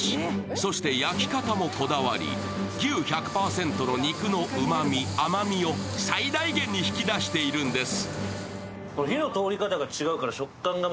そして焼き方もこだわり牛１００％の肉のうまみ、甘みを最大限の引き出しているんです。